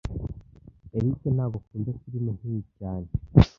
Eric ntago akunda firime nkiyi cyane